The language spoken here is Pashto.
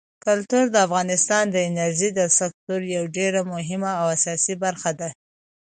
کلتور د افغانستان د انرژۍ د سکتور یوه ډېره مهمه او اساسي برخه ده.